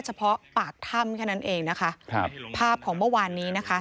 เฉพาะปากถ้ำแค่นั้นเองนะคะครับภาพของเมื่อวานนี้นะคะ